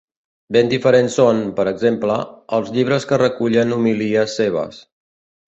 Ben diferents són, per exemple, els llibres que recullen homilies seves.